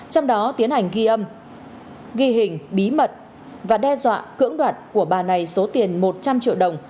trong đó tiến hành ghi âm ghi hình bí mật và đe dọa cưỡng đoạt của bà này số tiền một trăm linh triệu đồng